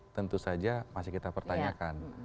tentu saja masih kita pertanyakan